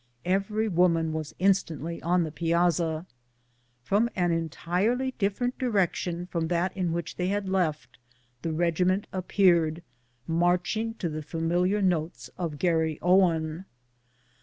Every woman was instantl}^ on the piazza. From an entirely different direction from that in which they had left, the regiment appeared, marching to the familiar notes of " Garryowen."